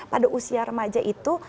pada usia remaja itu